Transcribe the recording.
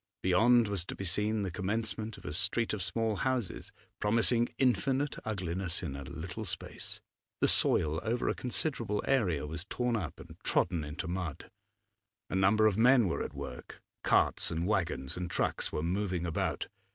Beyond was to be seen the commencement of a street of small houses, promising infinite ugliness in a little space; the soil over a considerable area was torn up and trodden into mud. A number of men were at work; carts and waggons and trucks were moving about.